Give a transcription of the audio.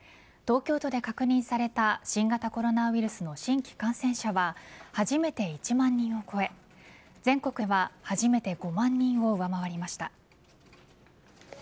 東京都で確認された新型コロナウイルスの新規感染者は初めて１万人を超え全国では初めて５万人を上回りました。